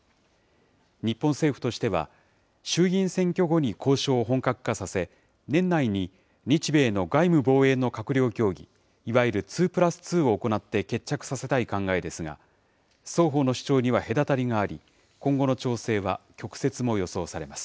日本政府としては、衆議院選挙後に交渉を本格化させ、年内に日米の外務・防衛の閣僚協議、いわゆる２プラス２を行って決着させたい考えですが、双方の主張には隔たりがあり、今後の調整は曲折も予想されます。